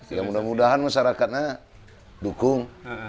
ya mudah mudahan masyarakatnya dukung